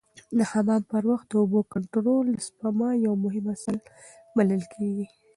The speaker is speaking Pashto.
د حمام پر وخت د اوبو کنټرول د سپما یو مهم اصل بلل کېږي.